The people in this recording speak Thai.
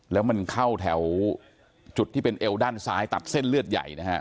แล้วมันเข้าแถวจุดที่เป็นเอวด้านซ้ายตัดเส้นเลือดใหญ่นะฮะ